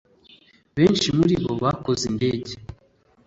benshi muri bo bakoze indege